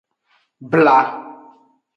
Bla.